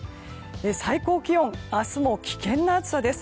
最高気温明日も危険な暑さです。